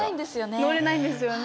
乗れないんですよね。